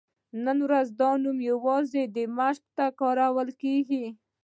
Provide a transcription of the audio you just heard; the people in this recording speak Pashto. نن ورځ دا نوم یوازې دمشق ته کارول کېږي.